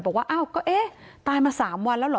บอกว่าอ้าวก็เอ๊ะตายมา๓วันแล้วเหรอ